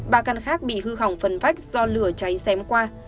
ba căn khác bị hư hỏng phần vách do lửa cháy xém qua